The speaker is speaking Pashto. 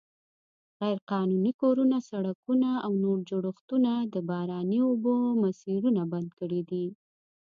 غیرقانوني کورونه، سړکونه او نور جوړښتونه د باراني اوبو مسیرونه بند کړي دي.